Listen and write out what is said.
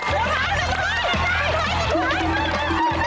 สองลูกเร็ว